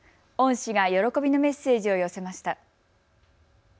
恩師が喜びのメッセージを寄せました。